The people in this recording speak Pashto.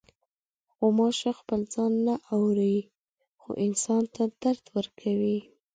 غوماشه خپل ځان نه اوري، خو انسان ته درد ورکوي.